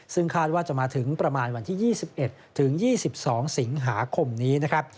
ซึ่งคาดว่าจะมาถึงประมาณวันที่๒๑๒๒สิงหาคมนี้